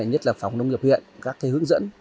nhất là phòng nông nghiệp huyện các hướng dẫn